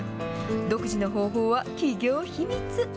独自の方法は企業秘密。